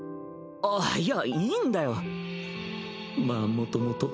あっいやいいんだよ。